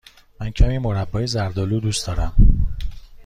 من کمی مربای زرد آلو دوست دارم.